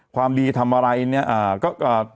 ความดีทำอะไรนะก็